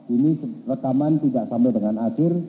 ini rekaman tidak sampai dengan akhir